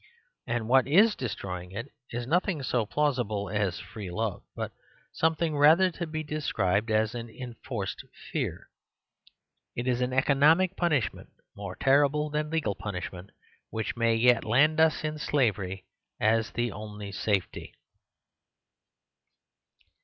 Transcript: And what is destroying it is nothing so plausible as free love; but something rather to be described as an en forced fear. It is economic punishment more terrible than legal punishment, which may yet land us in slavery as the only safety.